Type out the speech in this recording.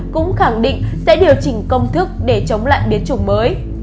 cũng khẳng định sẽ điều chỉnh công thức để chống lại biến chủng mới